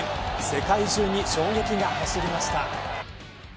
世界中に衝撃がはしりました。